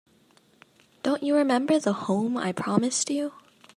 Don't you remember the home I promised you?